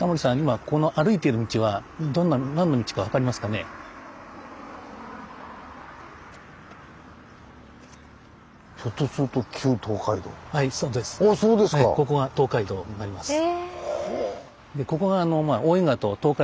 ここは東海道になります。